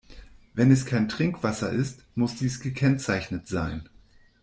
Wenn es kein Trinkwasser ist, muss dies gekennzeichnet sein.